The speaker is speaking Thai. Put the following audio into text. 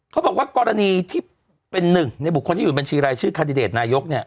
เขาบอกว่ากรณีที่เป็นหนึ่งในบุคคลที่อยู่บัญชีรายชื่อคันดิเดตนายกเนี่ย